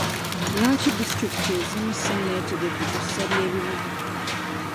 Lwaki disitulikiti ezimu sinnetegefu ku ssa ly'ebibuga?